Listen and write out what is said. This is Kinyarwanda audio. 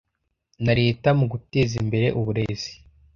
na Leta mu guteza imbere uburezi